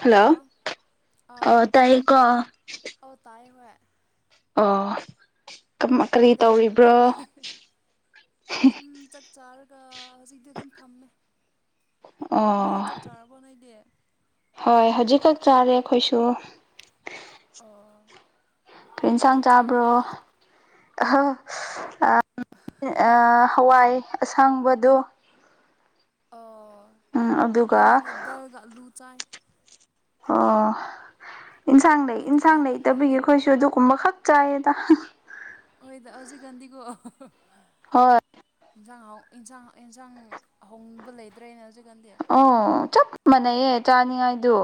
hello ꯑ ꯇꯥꯏ ꯀꯣ ꯑꯣ ꯇꯥꯏ ꯍ ꯑꯣ ꯀꯔꯤ ꯀꯩꯗꯧꯔꯤꯅꯣ ꯇꯧꯔꯤꯕ꯭ꯔꯣ ꯁꯨꯝ ꯆꯥꯛ ꯆꯥꯔꯒ ꯍꯧꯖꯤꯛꯇꯤ ꯑꯗꯨꯝ ꯐꯝꯃꯦ ꯅꯣꯏ ꯑꯣ ꯆꯥꯛ ꯆꯥꯔꯕ ꯍ ꯅꯗ ꯍꯣꯏ ꯍꯧꯖꯤꯛꯀꯛ ꯆꯥꯔꯦ ꯑꯩꯈꯣꯏꯁꯨ ꯑꯣ ꯀꯩ ꯐꯦꯟꯁꯥꯡ ꯌꯦꯟꯁꯥꯡ ꯆꯥꯕ꯭ꯔꯣ ꯆꯥꯔꯛꯀꯦ ꯑꯍ ꯍꯋꯥꯏ ꯑꯁꯥꯡꯕꯗꯣ ꯎꯝ ꯑꯗꯨꯒ ꯑꯩꯈꯣꯏꯅ ꯗꯜꯒ ꯑꯂꯨ ꯆꯥꯏ ꯑꯣ ꯏꯟꯁꯥꯡ ꯂꯩ ꯑꯗꯨꯒ ꯌꯦꯟꯁꯥꯡ ꯂꯩꯇꯕꯤꯒꯤ ꯑꯩꯈꯣꯏꯁꯨ ꯑꯗꯨꯒꯨꯝꯕ ꯈꯛ ꯆꯥꯏꯌꯦꯗ ꯍꯣꯏꯗ ꯍꯧꯖꯤꯛꯀꯥꯟꯗꯤꯀꯣ ꯍꯣꯏ ꯏꯟꯁꯥꯡ ꯏꯟꯁꯥꯡ ꯌꯦꯟꯁꯥꯡ ꯍꯅꯤꯡꯕ ꯂꯩꯇ꯭ꯔꯦꯅ ꯍꯧꯖꯤꯛ ꯈꯥꯟꯗꯤ ꯑꯣ ꯆꯞ ꯃꯥꯟꯅꯩꯌꯦ ꯆꯥꯅꯤꯡꯉꯥꯏꯗꯨ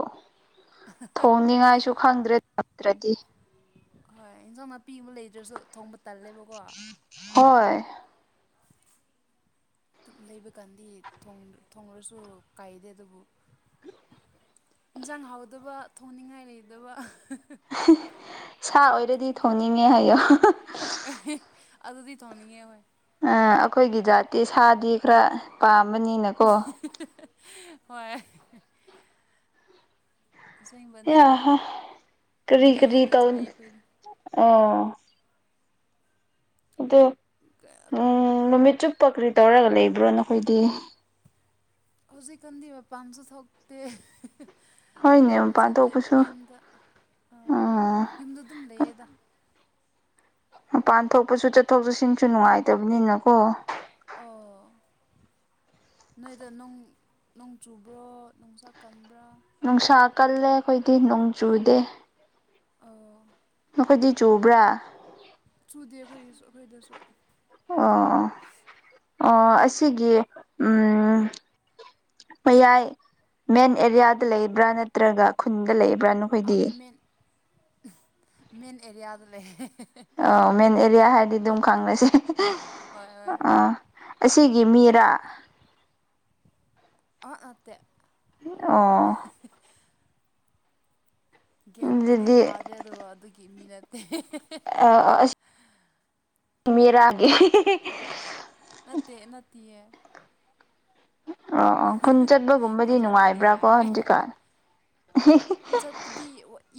ꯊꯣꯡꯅꯤꯡꯉꯥꯏꯁꯨ ꯈꯪꯗ꯭ꯔꯦ ꯇꯗ꯭ꯔꯗꯤ ꯍꯣꯏ ꯌꯦꯟꯖꯣ ꯅꯥꯄꯤ ꯑꯃ ꯂꯩꯗ꯭ꯔꯁꯨ ꯊꯣꯡꯕ ꯇꯜꯂꯦꯕꯀꯣ ꯍꯣꯏ ꯑꯗꯨꯝ ꯂꯩꯕ ꯀꯥꯟꯗꯤ ꯊꯣꯡ ꯊꯣꯡꯔꯁꯨ ꯀꯥꯏꯗꯦ ꯑꯗꯨꯕꯨ [inaudible] ꯏꯟꯖꯥꯡ ꯍꯥꯎꯗꯕ ꯊꯣꯡꯅꯤꯡꯉꯥꯏ ꯂꯩꯇꯕ ꯁꯥ ꯑꯣꯏꯔꯗꯤ ꯊꯣꯡꯅꯤꯡꯉꯦ ꯍꯥꯏꯌꯣ ꯍꯣꯏ ꯑꯗꯨꯗꯤ ꯊꯣꯛꯅꯤꯡꯌꯦ ꯍꯣꯏ ꯑꯥ ꯑꯩꯈꯣꯏꯒꯤ ꯖꯥꯠꯇꯤ ꯁꯥꯗꯤ ꯈꯔ ꯄꯥꯝꯕꯅꯤꯅꯀꯣ ꯍꯣꯏ ꯑꯁꯦꯡꯕꯅꯦ ꯌꯥ ꯍꯥ ꯀꯔꯤ ꯃꯤ ꯀꯔꯤ ꯍꯦꯟꯅ ꯇꯧ ꯆꯥꯏꯌꯦ ꯑꯩꯈꯣꯏꯗꯤ ꯑꯣ ꯑꯗꯨ ꯀꯌꯥꯅꯣ ꯅꯨꯃꯤꯠ ꯆꯨꯞꯄ ꯀꯔꯤ ꯇꯧꯔꯒ ꯂꯩꯕ꯭ꯔꯣ ꯅꯈꯣꯏꯗꯤ ꯍꯧꯖꯤꯛꯀꯥꯟꯗꯤ ꯃꯄꯥꯟꯁꯨ ꯊꯣꯛꯇꯦ ꯍꯣꯏꯅꯦ ꯊꯕꯛꯁꯨ ꯃꯄꯥꯟ ꯆꯠꯇꯦ ꯑꯗꯨꯝ ꯊꯣꯛꯄꯁꯨ ꯌꯨꯝꯗ ꯑ ꯎꯝ ꯌꯨꯝꯗ ꯑꯗꯨꯝ ꯂꯩꯌꯦꯗ ꯃꯄꯥꯟ ꯊꯣꯛꯄꯁꯨ ꯆꯠꯊꯣꯛ ꯆꯠꯁꯤꯟꯁꯨ ꯅꯨꯡꯉꯥꯏꯇꯕꯅꯤꯅꯀꯣ ꯑꯣ ꯅꯣꯏꯗ ꯅꯣꯡ ꯅꯣꯡ ꯆꯨꯕ꯭ꯔꯣ ꯅꯨꯡꯁꯥꯛ ꯀꯟꯕ꯭ꯔꯥ ꯅꯨꯡꯁꯥ ꯀꯜꯂꯦ ꯑꯩꯈꯣꯏꯗꯤ ꯅꯣꯡ ꯆꯨꯗꯦ ꯑꯣ ꯅꯈꯣꯏꯗꯤ ꯆꯨꯕ꯭ꯔꯥ ꯁꯨꯗꯦ ꯑꯩꯈꯣꯏꯒꯤꯁꯨ ꯑꯩꯈꯣꯏꯗꯁꯨ ꯑꯣ ꯑꯣ ꯑꯁꯤꯒꯤ ꯎꯝ ꯃꯌꯥꯏ ꯃꯦꯟ ꯑꯦꯔꯤꯌꯥꯗ ꯂꯩꯕ꯭ꯔꯥ ꯅꯠꯇ꯭ꯔꯒ ꯈꯨꯟꯗ ꯂꯩ ꯑꯥ ꯃꯦꯟ ꯃꯦꯟ ꯑꯦꯔꯤꯌꯥꯗ ꯂꯩ ꯑꯎ ꯃꯦꯟ ꯑꯦꯔꯤꯌꯥ ꯍꯥꯏꯔꯗꯤ ꯑꯗꯨꯝ ꯈꯪꯅꯁꯦ ꯍꯣꯏ ꯍꯣꯏ ꯑꯣ ꯑꯁꯤꯒꯤ ꯃꯤꯔꯥ ꯑ ꯅꯠꯇꯦ ꯑꯣ ꯒꯤꯟꯕꯨꯗꯤ ꯑꯗꯨꯗꯤ ꯇꯥꯗ꯭ꯔꯦ ꯑꯗꯨꯒ ꯑꯗꯨꯒꯤ ꯃꯤ ꯅꯠꯇꯦ ꯑ ꯑꯁꯤꯒꯤ ꯃꯦꯔꯒꯤ ꯅꯠꯇꯦ ꯅꯠꯇꯦꯌꯦ ꯑꯣ ꯑꯣ ꯈꯨꯟ ꯆꯠꯄꯒꯨꯝꯕꯗꯤ ꯀꯣꯏꯁꯟꯕꯨꯗꯤ ꯅꯨꯡꯉꯥꯏꯕ꯭ꯔꯥ ꯀꯣ ꯌꯥꯏꯌꯦ ꯍꯧꯟꯖꯤꯛꯀꯥꯟ ꯆꯠꯄꯗꯤ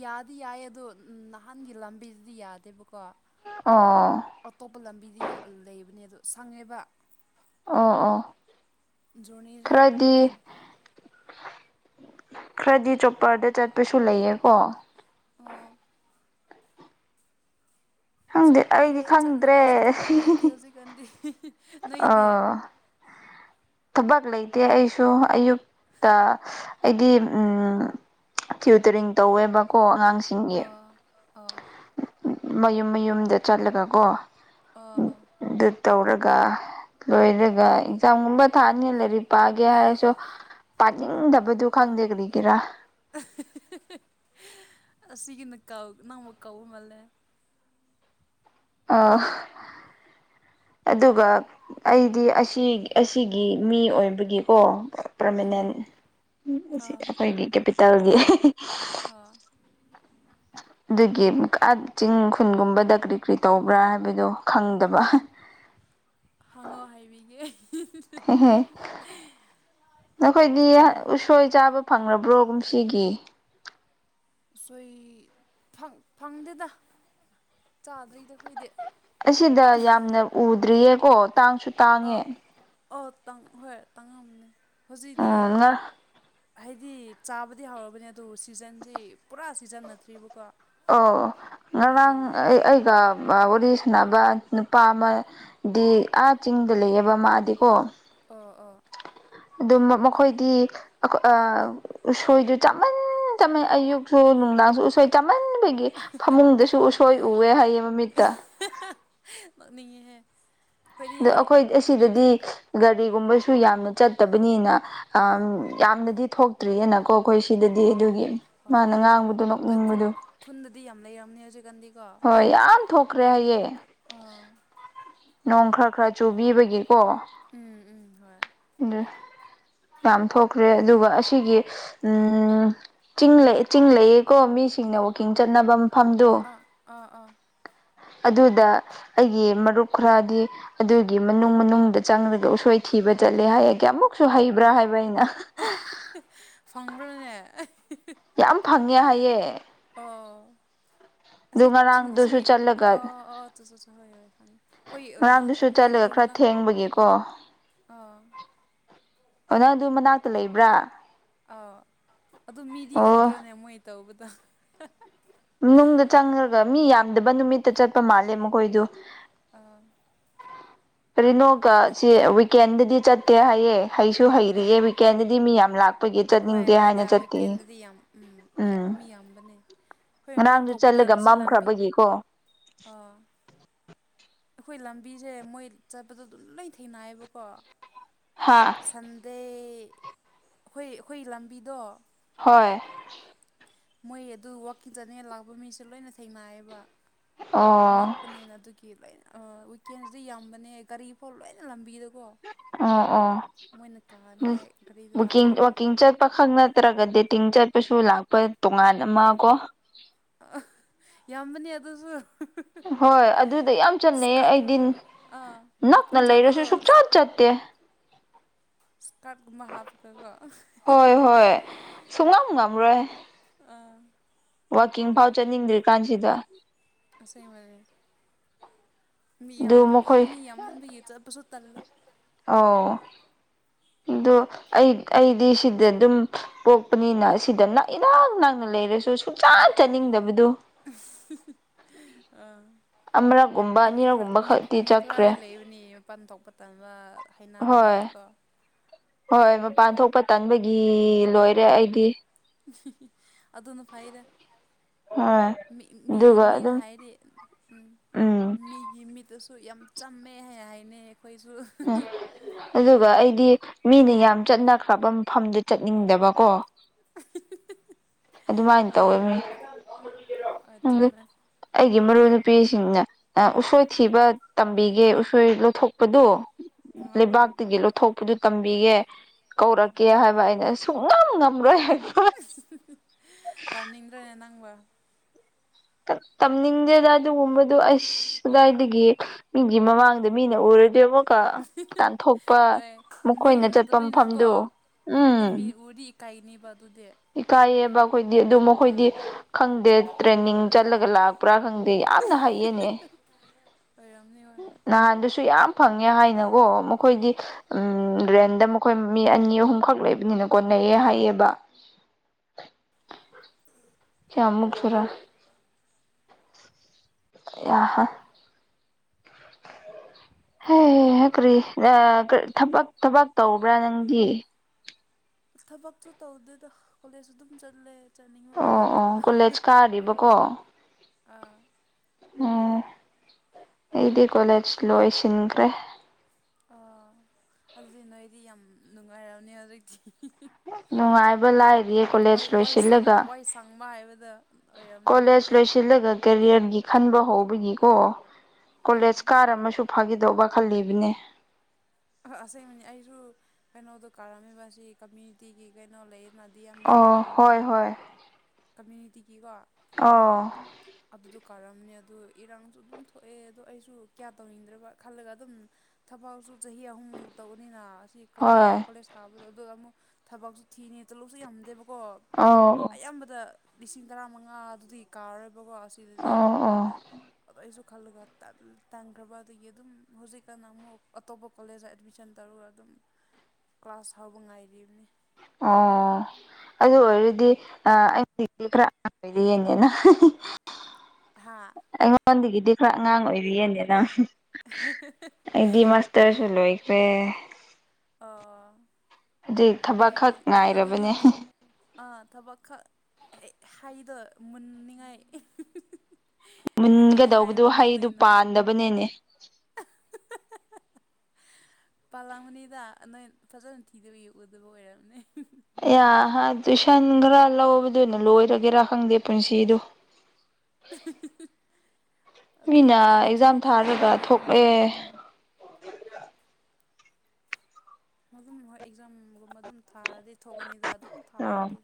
ꯌꯥꯗꯤ ꯌꯥꯏ ꯑꯗꯣ ꯅꯍꯥꯟꯒꯤ ꯂꯝꯕꯤꯗꯗꯤ ꯌꯥꯗꯦꯕꯀꯣ ꯑꯥ ꯑꯇꯣꯞꯄ ꯂꯝꯕꯤꯗꯤ ꯂꯩꯕꯅꯦ ꯑꯗꯣ ꯁꯪꯉꯦꯕ ꯑꯣ ꯑꯣ ꯖꯣꯔꯅꯤꯁꯦ ꯈꯔꯗꯤ ꯇꯨ ꯈꯔꯗꯤ ꯆꯣꯞꯄꯔꯗ ꯆꯠꯄꯁꯨ ꯂꯩꯌꯦ ꯀꯣ ꯑꯣ ꯈꯪꯗꯦ ꯆꯠꯇ꯭ꯔꯦ ꯑꯩꯗꯤ ꯈꯪꯗ꯭ꯔꯦ ꯆꯠꯅꯤꯡꯉꯥꯏꯁꯨ ꯊꯕꯛ ꯂꯩꯇꯦ ꯍꯧꯖꯤꯛꯀꯥꯟꯗꯤ ꯅꯣꯏꯗꯤ ꯑꯣ ꯊꯕꯛ ꯂꯩꯇꯦ ꯑꯩꯁꯨ ꯑꯌꯨꯛ ꯇꯥ ꯑꯩꯗꯤ ꯎꯝ ꯇ꯭ꯌꯨꯇꯔꯤꯡ ꯇꯧꯋꯦꯕꯀꯣ ꯑꯉꯥꯡꯁꯤꯡ ꯑꯣ ꯑꯣꯥ ꯃꯌꯨꯝ ꯃꯌꯨꯝꯗ ꯆꯠꯂꯒꯀꯣ ꯑꯣ ꯑꯣ ꯑꯗꯨ ꯇꯧꯔꯒ ꯂꯣꯏꯔꯒ ꯑꯦꯛꯖꯥꯝꯒꯨꯝꯕ ꯊꯥꯅꯤꯅ ꯂꯥꯏꯔꯤꯛ ꯄꯥꯒꯦ ꯍꯥꯏꯔꯁꯨ ꯄꯥꯅꯤꯡꯗꯕꯗꯨ ꯈꯪꯗꯦ ꯀꯔꯤꯒꯤꯔꯥ ꯑꯁꯤꯒꯤꯅ ꯀ ꯅꯪꯃ ꯀꯥꯎ ꯃꯥꯜꯂꯦ ꯑꯥ ꯑꯗꯨꯒ ꯑꯩꯗꯤ ꯑꯁꯤꯒꯤ ꯃꯤ ꯑꯣꯏꯕꯒꯤꯀꯣ ꯎꯝ ꯄꯔꯃꯅꯦꯟ ꯑꯥ ꯑꯩꯈꯣꯏꯒꯤ ꯀꯦꯄꯤꯇꯦꯜꯒꯤ ꯑ ꯑꯗꯨꯒꯤ ꯆꯤꯡ ꯈꯨꯟꯒꯨꯝꯕꯗ ꯀꯔꯤ ꯀꯔꯤ ꯇꯧꯕ꯭ꯔꯥ ꯍꯥꯏꯕꯗꯣ ꯈꯪꯗꯕ ꯎꯝ ꯍꯪꯉꯣ ꯍꯥꯏꯕꯤꯒꯦ ꯍ ꯅꯈꯣꯏꯒꯤ ꯈꯨꯟ ꯁꯣꯏ ꯆꯥꯕ ꯐꯪꯂꯕ꯭ꯔꯣ ꯀꯨꯝꯁꯤꯒꯤ ꯎꯁꯣꯏ ꯐꯪꯗꯦꯗ ꯆꯥꯗ꯭ꯔꯤꯗꯈꯣꯏꯗꯤ ꯑꯁꯤꯗ ꯌꯥꯝꯅ ꯎꯗ꯭ꯔꯤꯌꯦ ꯀꯣ ꯇꯥꯡ ꯑꯥ ꯑ ꯍꯣꯏ ꯇꯪꯉꯝꯅꯦ ꯍꯧꯖꯤꯛꯤ ꯎꯝ ꯉꯥ ꯍꯥꯏꯗꯤ ꯆꯥꯕꯗꯤ ꯍꯧꯔꯕꯅꯦ ꯑꯗꯨ ꯁꯤꯖꯟꯁꯤ ꯄꯨꯔꯥ ꯁꯤꯖꯟꯅꯠꯇ꯭ꯔꯤꯕꯀꯣ ꯑꯣ ꯉꯔꯥꯡ ꯑꯩ ꯑꯩꯒ ꯋꯥꯔꯤ ꯁꯅꯕ ꯅꯨꯄꯥ ꯑꯃꯗꯤ ꯑꯥ ꯆꯤꯡꯗ ꯂꯩꯑꯕ ꯃꯥꯗꯤꯀꯣ ꯑꯥ ꯑꯥ ꯑꯗꯨꯝ ꯃꯈꯣꯏꯗꯤ ꯎꯁꯣꯏꯗꯨ ꯆꯃꯟ ꯑꯌꯨꯛꯁꯨ ꯅꯨꯡꯗꯥꯡꯁꯨ ꯎꯁꯣꯏ ꯆꯝꯃꯟꯕꯒꯤ ꯐꯃꯨꯡꯗꯁꯨ ꯎꯁꯣꯏ ꯎꯑꯦ ꯍꯥꯏꯌꯦ ꯃꯃꯤꯠꯇ [inaudible] ꯅꯣꯛꯅꯤꯡꯉꯤꯍꯦ ꯑꯩꯈꯣꯏꯗꯤ ꯑꯗ ꯑꯩꯈꯣꯏ ꯑꯁꯤꯗꯗꯤ ꯒꯥꯔꯤꯒꯨꯝꯕꯁꯨ ꯌꯥꯝꯅ ꯆꯠꯇꯕꯅꯤꯅ ꯌꯥꯝꯅꯗꯤ ꯊꯣꯛ ꯇ꯭ꯔꯤꯑꯅꯀꯣ ꯑꯩꯈꯣꯏ ꯁꯤꯗꯗꯤ ꯑꯥ ꯑꯗꯨꯒꯤ ꯑꯥ ꯃꯥꯅ ꯉꯥꯡꯕꯗꯨꯣ ꯍꯣꯏ ꯈꯨꯟ ꯅꯣꯛꯅꯤꯡꯕꯗꯨ ꯈꯨꯟꯗꯗꯤ ꯌꯥꯝ ꯂꯩꯔꯝꯅꯤ ꯍꯧꯖꯤꯛꯀꯥꯟꯗꯤ ꯍꯣꯏ ꯌꯥꯝ ꯊꯣꯛꯈ꯭ꯔꯦ ꯍꯥꯏꯌꯦ ꯑꯥ ꯅꯣꯡ ꯈꯔ ꯈꯔ ꯆꯨꯕꯤꯕꯒꯤꯀꯣ ꯎꯝ ꯎꯝ ꯍꯣꯏ ꯑꯗꯨ ꯃꯌꯥꯝ ꯊꯣꯛꯈ꯭ꯔꯦ ꯑꯗꯨꯒ ꯑꯁꯤꯒꯤ ꯎ ꯆꯤꯡ ꯆꯤꯡ ꯂꯩꯌꯦꯀꯣ ꯃꯤꯁꯤꯡꯅ ꯋꯥꯛꯀꯤꯡ ꯆꯠꯅꯕ ꯃꯐꯝꯗꯣ ꯑꯥ ꯑꯥ ꯑꯥ ꯑꯗꯨꯗ ꯑꯩꯒꯤ ꯃꯔꯨꯞ ꯈꯔꯗꯤ ꯑꯗꯨꯒꯤ ꯃꯅꯨꯡ ꯃꯅꯨꯡꯗ ꯆꯪꯂꯪꯂꯒ ꯎꯁꯣꯏ ꯊꯤꯕ ꯆꯠꯂꯦ ꯍꯥꯏꯔꯒꯦ ꯑꯃꯨꯛꯁꯨ ꯍꯩꯕ꯭ꯔꯥ ꯍꯥꯏꯕ ꯑꯩꯅ ꯐꯪꯕ꯭ꯔꯥꯅꯦ ꯌꯥꯝ ꯐꯪꯉꯦ ꯍꯥꯏꯌꯦ ꯑꯥ ꯑꯗꯨ ꯑꯁꯤ ꯆꯤꯡ ꯑꯁꯤ ꯉꯔꯥꯡꯗꯨꯁꯨ ꯆꯠꯂꯒ ꯑꯥ ꯑꯥ ꯆꯠ ꯆꯠ ꯍꯣꯏ ꯍꯣꯏ ꯍꯣꯏ ꯐꯅꯤ ꯑꯩꯈꯣꯏ ꯑꯗꯨ ꯉꯔꯥꯡꯗꯨꯁꯨ ꯑꯩꯈꯣꯏ ꯆꯠꯂꯒ ꯑꯗꯨ ꯈꯔ ꯃꯅꯥꯛ ꯊꯦꯡꯕꯒꯤꯀꯣ ꯑꯥ ꯑꯣ ꯅꯪ ꯑꯗꯨ ꯃꯅꯥꯛꯇ ꯂꯩꯕ꯭ꯔꯥ ꯑꯥ ꯑꯗꯨꯣ ꯃꯤꯗꯤ ꯑꯣ ꯎꯗ꯭ꯔꯣꯅꯦ ꯃꯣꯏ ꯇꯧꯕꯗ ꯅꯨꯡꯗ ꯆꯪꯈ꯭ꯔꯒ ꯃꯤ ꯌꯥꯝꯗꯕ ꯅꯨꯃꯤꯠꯇ ꯆꯠꯄ ꯃꯥꯜꯂꯦ ꯃꯈꯣꯏꯗꯨ ꯑꯥ ꯀꯔꯤꯅꯣꯀ ꯁꯤ ꯋꯤꯛꯀꯦꯟꯗꯗꯤ ꯆꯠꯇꯦ ꯍꯥꯏꯌꯦ ꯍꯩꯁꯨ ꯑꯥ ꯍꯩꯔꯤꯌꯦ ꯀꯦꯟꯗꯗꯤ ꯃꯤ ꯌꯥꯝ ꯂꯥꯛ ꯍꯣꯏ ꯍꯣꯏꯗ ꯋꯤꯀꯦꯟꯗꯗꯤ ꯌꯥꯝ ꯎꯝ ꯎꯝ ꯌꯥꯝꯃꯤ ꯌꯥꯝꯕꯅꯦ ꯑꯩꯈꯣꯏ ꯃꯄꯥꯟ ꯉꯔꯥꯡꯗꯨ ꯊꯣꯛꯄꯗ ꯆꯠꯂꯒ ꯁꯤ ꯂꯥꯝꯕꯤ ꯃꯝꯈ꯭ꯔꯕꯒꯤꯀꯣ ꯑꯥ ꯑꯩꯈꯣꯏ ꯂꯝꯕꯤꯖꯦ ꯃꯣꯏ ꯆꯠꯄꯗꯦ ꯑꯗꯨꯝ ꯂꯣꯏ ꯊꯦꯡꯅꯌꯦꯕꯀꯣ ꯍꯥꯥ ꯁꯟꯗꯦ ꯑꯩꯈꯣꯏ ꯑꯩꯈꯣꯏꯒꯤ ꯂꯝꯕꯤꯗꯣ ꯍꯣꯏ ꯃꯣꯏ ꯑꯗꯨ ꯋꯥꯛꯀꯤꯡ ꯆꯠꯅꯉꯐ ꯂꯥꯛꯄ ꯃꯤꯁꯨ ꯂꯣꯏꯅ ꯊꯦꯡꯅꯥꯥꯏꯌꯦꯕ ꯑꯣ ꯉꯥꯛꯄꯅꯤꯅ ꯑꯗꯨꯒꯤ ꯂꯣꯏꯅ ꯋꯤꯀꯦꯟꯗꯤ ꯌꯥꯝꯕꯅꯦ ꯒꯥꯔꯤ ꯐꯥꯎ ꯂꯣꯏꯅ ꯂꯝꯕꯤꯗ ꯑꯣ ꯑꯣ ꯀꯥꯅꯤꯡꯉꯥꯏ ꯒꯥꯔꯤꯗ ꯋꯀꯤꯡ ꯂꯥꯛꯄꯗꯣ ꯋꯀꯤꯡ ꯆꯠꯄ ꯈꯛ ꯅꯠ ꯅꯠꯇ꯭ꯔꯒ ꯗꯦ ꯇꯤꯡ ꯆꯠꯄꯁꯨ ꯂꯥꯛꯄ ꯇꯣꯉꯥꯟ ꯑꯃ ꯀꯣ ꯑꯥ ꯌꯥꯝꯕꯅꯦ ꯑꯗꯨꯁꯨ ꯍꯣꯏ ꯑꯗꯨꯗꯣ ꯌꯥꯝ ꯆꯠꯅꯩꯌꯦ ꯑꯩꯗꯤ ꯏꯁꯀꯥꯔꯠꯀꯨꯝꯕ ꯑꯥ ꯅꯛꯅ ꯋꯥꯛꯀꯤꯡ ꯂꯩꯔꯁꯨ ꯆꯠꯄꯗꯣ ꯁꯨꯡꯆꯠ ꯆꯠꯇꯦ ꯏꯁꯀꯥꯔꯠꯀꯨꯝꯕ ꯍꯥꯞꯄꯒꯀꯣ [unintelligible] ꯍꯣꯏ ꯍꯣꯏ ꯁꯨꯉꯝ ꯉꯝꯃꯔꫭꯏ ꯑꯥ ꯋꯥꯛꯀꯤꯡ ꯐꯥꯎ ꯆꯠꯅꯤꯡꯗ꯭ꯔꯤ ꯀꯥꯟꯁꯤꯗ ꯑꯁꯦꯡꯕꯩꯅꯦ ꯃꯤ ꯌꯥꯝ ꯑꯗꯨ ꯃꯈꯣꯏ ꯃꯤ ꯌꯥꯃꯟꯕꯒꯤ ꯆꯠꯄꯁꯨ ꯇꯜꯂꯦ ꯑꯣ ꯑꯗꯣ ꯑꯩ ꯑꯩꯗꯤ ꯁꯤꯗ ꯑꯗꯨꯝ ꯄꯣꯛꯄꯅꯤꯅ ꯑꯁꯤꯗ ꯅꯏꯅꯛ ꯅꯪꯅ ꯂꯩꯔꯁꯨ ꯁꯨꯡꯆꯥꯟ ꯆꯥꯅꯤꯡꯗꯕꯗꯨ ꯑꯥ ꯑꯃꯔꯛꯀꯨꯝ ꯃꯤ ꯈꯔ ꯃꯤ ꯃꯤ ꯈꯔꯗꯤ ꯂꯩꯕꯅꯤ ꯃꯄꯥꯟ ꯊꯣꯛꯄꯇꯅ ꯍꯥꯏꯅꯗꯕ ꯍꯣꯏ ꯃꯤꯀꯣ ꯍꯣꯏ ꯃꯄꯥꯟ ꯊꯣꯛꯄ ꯇꯟꯕꯒꯤ ꯂꯣꯏꯔꯦ ꯑꯩꯗꯤ ꯑꯗꯨꯅ ꯐꯩꯗ ꯍꯣꯏ ꯃꯤ ꯑꯗꯨꯒ ꯃꯤꯅ ꯑꯗꯨꯝ ꯍꯥꯏꯔꯤ ꯎꯝ ꯃꯤꯒꯤ ꯃꯤꯠꯇꯁꯨ ꯌꯥꯝ ꯆꯝꯃꯦ ꯍꯥꯏ ꯍꯥꯏꯅꯦ ꯑꯩꯈꯣꯏꯁꯨ ꯑꯗꯨꯒ ꯑꯩꯗꯤ ꯃꯤꯅ ꯌꯥꯝ ꯆꯠꯅꯈ꯭ꯔꯕ ꯃꯐꯝꯗꯨ ꯆꯠꯅꯤꯡꯗꯕꯀꯣ [unintelligible] ꯑꯗꯨꯃꯥꯏꯅ ꯑꯥ ꯇꯧꯔꯅꯤ ꯍꯣꯏ ꯆꯨꯝꯃꯦ ꯑꯩꯒꯤ ꯃꯔꯨꯞ ꯅꯨꯄꯤꯁꯤꯡꯅ ꯎꯁꯣꯏ ꯊꯤꯕ ꯇꯝꯕꯤꯒꯦ ꯎꯁꯣꯏ ꯂꯣꯊꯣꯛꯄꯗꯣ ꯑꯥ ꯑꯥ ꯂꯩꯕꯥꯛꯇꯨꯒꯤ ꯂꯧꯊꯣꯛꯄꯗꯨ ꯇꯝꯕꯤꯒꯦ ꯑꯥ ꯀꯧꯔꯛꯀꯦ ꯍꯥꯏꯕ ꯑꯩꯅ ꯁꯨꯡꯉꯝ ꯉꯝꯔꯣꯏ ꯍꯥꯏꯕ ꯇꯥꯅꯤꯡꯗ꯭ꯔꯅꯦ ꯅꯪꯕꯨ ꯇꯝꯅꯤꯡꯗꯦꯗ ꯑꯗꯨꯒꯨꯝꯕꯗꯨ ꯑꯁ ꯑꯗꯨꯗꯥꯏꯗꯒꯤ ꯃꯤꯒꯤ ꯃꯃꯥꯡꯗ ꯃꯤꯅ ꯎꯔꯗꯤ ꯑꯃꯨꯛ ꯇꯥꯟꯊꯣꯛꯄ ꯍꯣꯏ ꯃꯈꯣꯏꯅ ꯃꯣꯏꯒꯤ ꯆꯠꯄ ꯅꯠꯇꯕꯅꯤꯅꯀꯣ ꯃꯐꯝꯗꯨ ꯎꯝ ꯀꯥꯏꯅꯤꯕꯗꯨꯗꯤ ꯏꯀꯥꯏꯌꯦꯕ ꯑꯩꯈꯣꯏꯗꯤ ꯑꯗꯨ ꯃꯈꯈꯣꯏꯗꯤ ꯈꯪꯗꯦ ꯇ꯭ꯔꯦꯟꯅꯤꯡ ꯆꯠꯂꯒ ꯂꯥꯛ ꯄꯨꯔꯥ ꯈꯪꯗꯦ ꯌꯥꯝꯅ ꯍꯩꯌꯦꯅꯦ ꯑꯣꯏꯔꯝꯅꯤ ꯅꯍꯥꯟꯗꯨꯁꯨ ꯌꯥꯝ ꯐꯪꯉꯦ ꯍꯥꯏꯅꯀꯣ ꯃꯈꯣꯏꯗꯤ ꯎꯝ ꯔꯦꯟꯗ ꯃꯈꯣꯏ ꯃꯤ ꯑꯅꯤ ꯑꯍꯨꯝꯈꯛ ꯂꯩꯕꯅꯤꯅ ꯀꯣꯟꯅꯩꯌꯦ ꯍꯥꯏꯌꯦꯕ ꯆꯃꯨꯛ ꯁꯨꯔ ꯀꯔꯤ ꯊꯕꯛ ꯊꯕꯛ ꯇꯧꯕ꯭ꯔꯥ ꯅꯪꯗꯤ ꯊꯕꯛꯁꯨꯨ ꯇꯧꯗꯦꯗ ꯀꯣꯂꯦꯖꯁꯨ ꯑꯗꯨꯝ ꯆꯠꯂꯦ ꯆꯠꯅꯤꯡꯕ ꯑꯣ ꯃꯇꯝꯗ ꯑꯣ ꯀꯣꯂꯦꯖ ꯀꯥꯔꯤꯕꯀꯣ ꯑꯣ ꯑꯩꯗꯤ ꯀꯣꯂꯦꯖ ꯂꯣꯏꯁꯤꯟꯈ꯭ꯔꯦ ꯑꯣ ꯑꯗꯨꯗꯤ ꯅꯣꯏꯗꯤ ꯌꯥꯝ ꯅꯨꯡꯉꯥꯏꯔꯝꯅꯤ ꯍꯧꯖꯤꯛꯇꯤ ꯅꯨꯡꯉꯥꯏꯕ ꯂꯥꯛꯔꯤꯌꯦ ꯀꯣꯂꯦꯖ ꯋꯥꯏ ꯋꯥꯏ ꯁꯪ ꯂꯣꯏꯁꯤꯜꯂꯒ ꯋꯥꯏ ꯁꯪꯕ ꯍꯥꯏꯕꯗ ꯑꯣꯏꯔꯝꯅꯤ ꯀꯣꯂꯦꯖ ꯅꯣꯏꯗꯤ ꯂꯣꯏꯁꯤꯜ ꯂꯩꯒꯠ ꯀꯦꯔꯤꯌꯔꯒꯤ ꯈꯟꯕ ꯍꯧꯕꯒꯤꯀꯣ ꯑꯥ ꯀꯣꯂꯦꯖ ꯀꯥꯔ ꯑꯃꯁꯨ ꯐꯥꯈꯤꯗꯧꯕ ꯈꯜꯂꯤꯕꯅꯦ ꯑꯁꯦꯡꯕꯅꯤ ꯑꯩꯁꯨ ꯀꯩꯅꯣꯗꯣ ꯀꯥꯔꯝꯃꯤꯕ ꯑꯁꯤ ꯀꯝꯃ꯭ꯌꯨꯅꯤꯇꯤꯒꯤ ꯀꯩꯅꯣ ꯂꯩ ꯃꯥꯗꯤ ꯌꯥꯝꯝꯗꯥ ꯑꯣ ꯈꯪꯕ꯭ꯔꯥ ꯍꯣꯏ ꯍꯣꯏ ꯀꯝꯃ꯭ꯌꯨꯅꯤꯇꯤꯒꯤꯀꯣ ꯑꯣ ꯑꯗꯨꯗꯣ ꯀꯥꯔꯝꯅꯦ ꯑꯗꯨ ꯏꯔꯥꯡꯁꯨ ꯑꯗꯨꯝ ꯊꯣꯛꯑꯦ ꯑꯗꯣ ꯑꯩꯁꯨ ꯀꯌꯥ ꯇꯧꯅꯤꯡꯗ꯭ꯔꯕ ꯈꯜꯂꯒ ꯑꯗꯨꯝ ꯊꯕꯛꯁꯨ ꯆꯍꯤ ꯑꯍꯨꯝ ꯇꯧꯕꯅꯤꯅ ꯑꯁꯤ ꯀ ꯍꯣꯏ ꯊꯥꯕꯗꯣ ꯑꯗꯨꯗ ꯑꯃꯨꯛ ꯊꯕꯛꯁꯨ ꯊꯤꯅꯦ ꯇꯂꯨꯁꯨ ꯌꯥꯝꯗꯦꯕꯀꯣ ꯑꯥꯎ ꯑꯌꯥꯝꯕꯗ ꯂꯤꯁꯤꯡ ꯇꯔꯥꯃꯉꯥ ꯑꯗꯨꯗꯤ ꯀꯥꯔꯣꯏꯕꯀꯣ ꯑꯁꯤꯗꯗꯤ ꯑꯣ ꯑꯣ ꯑꯗꯨꯏꯁꯨ ꯈꯜꯂꯒ ꯇꯟ ꯇꯥꯡꯈ꯭ꯔꯕ ꯑꯗꯒꯤ ꯑꯗꯨꯝ ꯍꯧꯖꯤꯛꯀꯥꯟꯅ ꯑꯃꯨꯛ ꯑꯇꯣꯞꯄ ꯀꯣꯂꯦꯖꯇ ꯑꯦꯠꯃꯤꯁꯟ ꯇꯧꯔꯒ ꯑꯗꯨꯝ ꯀ꯭ꯂꯥꯁ ꯍꯥꯎꯕ ꯉꯥꯏꯔꯤꯕꯅꯤ ꯑꯥ ꯑꯗꯨ ꯑꯣꯏꯔꯗꯤ ꯑ ꯑꯩ ꯈꯔ ꯑꯗ ꯌꯦꯡꯅꯦꯦꯅ ꯍꯥꯥ ꯑꯩꯉꯣꯟꯗꯒꯤꯗꯤ ꯈꯔ ꯑꯉꯥꯡ ꯑꯣꯏꯕ ꯌꯦꯗꯦꯅ ꯑꯩꯗꯤ ꯃꯥꯁꯇꯔꯁꯨ ꯂꯣꯏ ꯄꯔꯦ ꯑ ꯍꯧꯖꯤꯛ ꯊꯕꯛ ꯈꯛ ꯑꯗꯨꯗꯤ ꯉꯥꯏꯔꯕꯅꯦ ꯑꯗꯨꯗꯤꯟꯅ ꯑꯥ ꯊꯕꯛꯛ ꯍꯥꯏꯗꯣ ꯃꯨꯅꯤꯡꯉꯥꯏ ꯃꯨꯟꯒꯗꯧꯕꯗꯨ ꯍꯩꯗꯨ ꯄꯥꯟꯗꯕꯅꯤꯅꯦ ꯄꯥꯜꯂꯥꯡꯕꯅꯤꯗ ꯅꯣꯏ ꯐꯖꯅ ꯊꯤꯗꯕꯎꯗꯕ ꯑꯣꯏꯔꯝꯅꯤ ꯑꯌꯥ ꯇꯨꯏ ꯁꯟ ꯈꯔ ꯂꯧꯕꯗꯨꯅ ꯂꯣꯏꯔꯒꯦꯔꯥ ꯈꯪꯗꯦ ꯄꯨꯟꯁꯤꯗꯣ [inaudible] ꯑꯗꯨ ꯃꯤꯅ ꯑꯦꯛꯖꯥꯝ ꯑꯗꯨꯗꯗꯤ ꯂꯣꯏ ꯊꯥꯔꯒ ꯍꯥꯏꯒꯅꯨꯗ ꯊꯣꯛꯂꯑꯦ ꯃꯒꯨꯝ ꯍꯣꯏ ꯑꯦꯛꯖꯥꯝꯒꯨꯝꯕ ꯑꯗꯨꯝ ꯊꯥꯔꯗꯤ ꯊꯣꯛꯀꯅꯤꯗ ꯑꯗꯨꯝ ꯑ ꯊꯥꯔꯗꯤ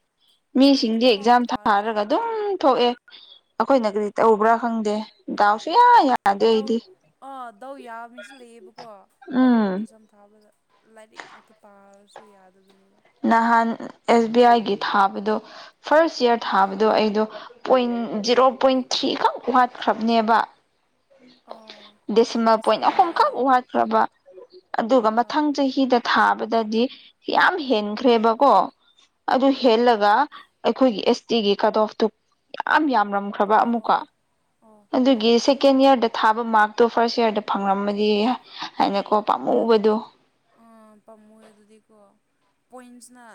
ꯃꯤꯁꯤꯡꯗꯤ ꯊꯣꯛꯇ꯭ꯔꯤꯐꯥꯎ ꯑꯦꯛꯖꯥꯝ ꯊꯥꯔꯗꯤ ꯊꯥꯔꯒ ꯑꯗꯨꯝ ꯊꯣꯛꯑꯦ ꯑꯩꯈꯣꯏꯅ ꯒꯔꯤ ꯇꯧꯕ꯭ꯔꯥ ꯈꯪꯗꯦ ꯗꯥꯎꯁꯨ ꯌꯥ ꯊꯧ ꯑꯥ ꯊꯧ ꯌꯥꯕ ꯃꯤꯁꯨ ꯂꯩꯌꯦꯕꯀꯣ ꯎꯝ ꯑꯩꯖꯝ ꯊꯥꯕꯗ ꯂꯥꯏꯔꯤꯛ ꯉꯥꯛꯇ ꯄꯥꯔꯁꯨ ꯌꯥꯗꯕꯅꯦꯕ ꯅꯍꯥꯟ ꯑꯦꯁ ꯕꯤ ꯑꯥꯏꯒꯤ ꯊꯥꯕꯗꯣ ꯐꯥꯔꯁ ꯏꯌꯥꯔ ꯊꯥꯕꯗꯣ ꯑꯩꯗꯣ ꯄꯣꯏꯟ ꯖꯦꯔꯣ ꯄꯣꯏꯟ ꯊ꯭ꯔꯤꯈꯛ ꯋꯥꯠꯈ꯭ꯔꯕꯅꯦꯕ ꯑꯥ ꯗꯤꯁꯤꯡꯅ ꯑꯁ ꯄꯣꯏꯟꯅ ꯑꯍꯨꯝ ꯈꯛ ꯄꯥꯝꯃꯨꯏꯍꯦ ꯋꯥꯠꯈ꯭ꯔꯕ ꯑꯗꯨꯒ ꯑꯥ ꯃꯊꯪ ꯆꯍꯤꯗ ꯊꯥꯕꯗꯗꯤ ꯌꯥꯝ ꯍꯦꯟꯈ꯭ꯔꯦꯕꯀꯣ ꯑꯗꯨ ꯑꯥ ꯍꯦꯜꯂꯒ ꯑꯩꯈꯣꯏꯒꯤ ꯑꯦꯁ ꯇꯤꯒꯤ ꯀꯠꯑꯣꯐꯇꯨ ꯌꯥꯝ ꯌꯥꯝꯔꯝꯈ꯭ꯔꯕ ꯑꯣ ꯑꯣ ꯑꯃꯨꯛꯀ ꯑꯣ ꯑꯣ ꯑꯣ ꯑꯗꯨꯒꯤ ꯁ‌ꯦꯛ ꯁꯦꯀꯦꯟ ꯏꯌꯥꯔꯗ ꯊꯥꯕ ꯃꯥꯔꯛꯇꯣ ꯐꯥꯔꯁ ꯏꯔꯗ ꯐꯪꯉꯝꯃꯗꯤ ꯍꯥꯏꯅꯀꯣ ꯄꯥꯝꯃꯨꯕꯗꯣ ꯑꯥ ꯄꯥꯝꯃꯨꯏ ꯑꯗꯨꯗꯤꯀꯣ ꯄꯣꯏꯟꯁꯅ